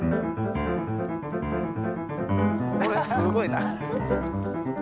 これすごいな。